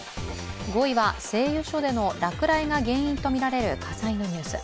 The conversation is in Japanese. ５位は製油所での落雷が原因とみられるニュース。